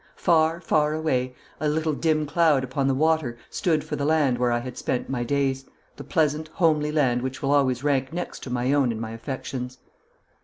Far, far away, a little dim cloud upon the water stood for the land where I had spent my days the pleasant, homely land which will always rank next to my own in my affections.